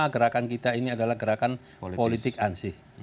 gerakan kita ini adalah gerakan politik ansih